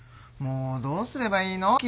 もうどうすればいいの？